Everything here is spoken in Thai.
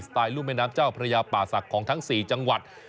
ไตลุ่มแม่น้ำเจ้าพระยาป่าศักดิ์ของทั้ง๔จังหวัด